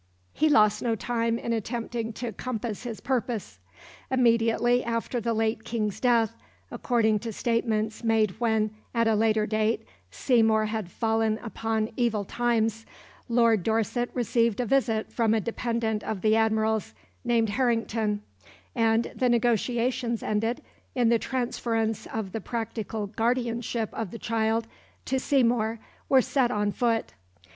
He lost no time in attempting to compass his purpose. Immediately after the late King's death according to statements made when, at a later date, Seymour had fallen upon evil times Lord Dorset received a visit from a dependant of the Admiral's, named Harrington, and the negotiations ending in the transference of the practical guardianship of the child to Seymour were set on foot.